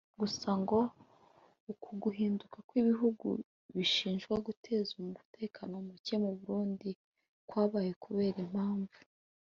Gusa ngo uku guhinduka kw’ibihugu bishinjwa guteza umutekano mucye mu Burundi kwabaye kubera impamvu